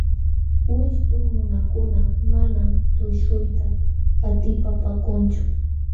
Wishtu nunakuna manam tuśhuyta atipapaakunchu.